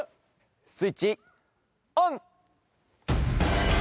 スイッチオン！